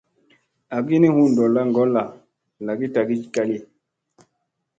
Agi ni hu ɗolla ŋgolla lagi tagi gali.